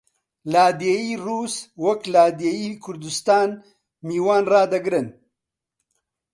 لادێی ڕووس وەک لادێی کوردستان میوان ڕادەگرن